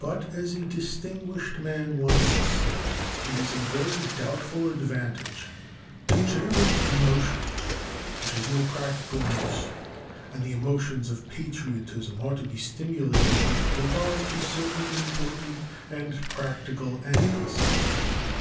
But as a distinguished man once said, it is a very doubtful advantage to generate emotion which has no practical use, and the emotions of patriotism ought to be stimulated with regard to certain important and practical ends.